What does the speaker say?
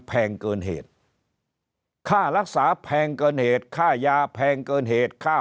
แพงเกินเหตุค่ารักษาแพงเกินเหตุค่ายาแพงเกินเหตุค่า